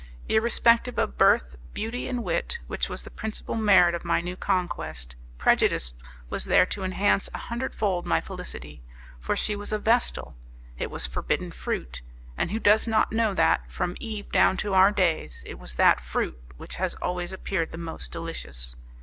Irrespective of birth, beauty, and wit, which was the principal merit of my new conquest, prejudice was there to enhance a hundredfold my felicity, for she was a vestal: it was forbidden fruit, and who does not know that, from Eve down to our days, it was that fruit which has always appeared the most delicious!